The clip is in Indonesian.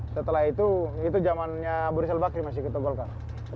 setelah itu itu zamannya buri selbakri masih di togolkar